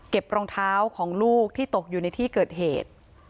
รองเท้าของลูกที่ตกอยู่ในที่เกิดเหตุ